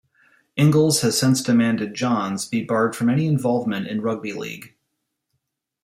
Inglis has since demanded Johns be barred from any involvement in rugby league.